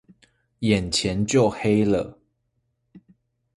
眼前就黑了